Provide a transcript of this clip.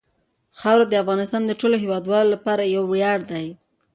خاوره د افغانستان د ټولو هیوادوالو لپاره یو ویاړ دی.